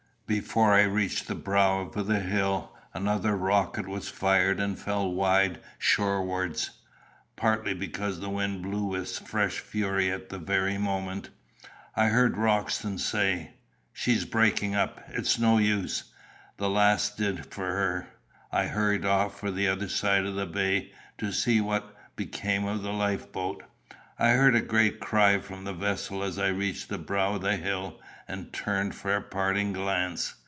Before I reached the brow of the hill another rocket was fired and fell wide shorewards, partly because the wind blew with fresh fury at the very moment. I heard Roxton say "She's breaking up. It's no use. That last did for her;" but I hurried off for the other side of the bay, to see what became of the life boat. I heard a great cry from the vessel as I reached the brow of the hill, and turned for a parting glance.